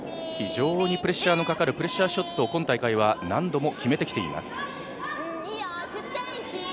非常にプレッシャーのかかるプレッシャーショットを今大会、何度も決めてきています。